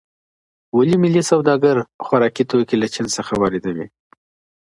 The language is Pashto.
ولي ملي سوداګر خوراکي توکي له چین څخه واردوي؟